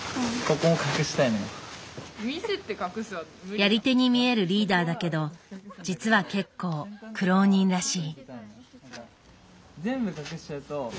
やり手に見えるリーダーだけど実は結構苦労人らしい。